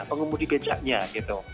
pengemudi becaknya gitu